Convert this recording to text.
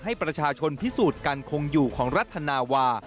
ให้ประชาชนพิสูจน์การคงอยู่ของรัฐนาวา